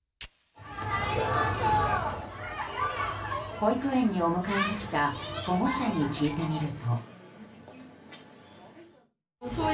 保育園にお迎えに来た保護者に聞いてみると。